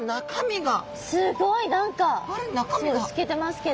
すごい！何か透けてますけど。